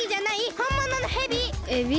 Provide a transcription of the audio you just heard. ほんもののヘビ！